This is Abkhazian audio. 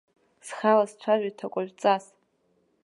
Схала сцәажәоит ҭакәажәҵас!